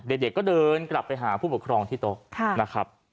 เด็กก็เดินกลับไปหาผู้ปกครองที่โต๊ะนะครับ